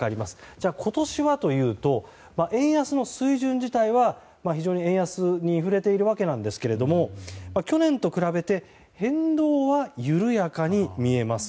じゃあ、今年はというと円安の水準自体は非常に円安に振れていますが去年と比べて変動は緩やかに見えます。